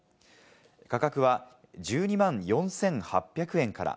価格は１２万４８００円から。